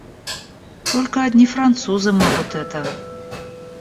Только одни французы могут это.